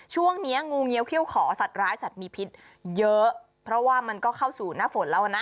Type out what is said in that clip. ช่วงเนี้ยงูเงี้ยวเขี้ยวขอสัตว์ร้ายสัตว์มีพิษเยอะเพราะว่ามันก็เข้าสู่หน้าฝนแล้วนะ